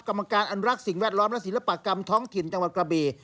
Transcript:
กรรมการอนุรักษ์สิ่งแวดล้อมและศิลปกรรมท้องถิ่นจังหวัดกระบี